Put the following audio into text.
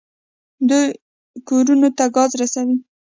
دوی کورونو ته ګاز رسوي.